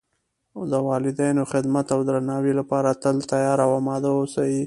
د والدینو خدمت او درناوۍ لپاره تل تیار او آماده و اوسئ